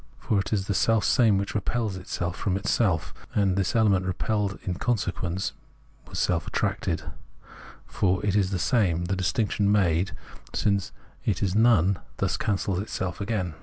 For it is the selfsame which repels itself from itself, and this element repelled is in consequence essentially self attracted, for it is the same ; the distinction made, since it is none, thus cancels itself again.